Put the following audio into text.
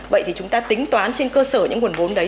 vậy thì chúng ta tính toán trên cơ sở những nguồn vốn đấy